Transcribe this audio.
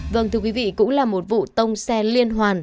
vâng thưa quý vị cũng là một vụ tông xe liên hoàn